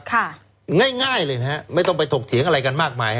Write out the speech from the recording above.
ง่ายง่ายเลยนะฮะไม่ต้องไปถกเถียงอะไรกันมากมาย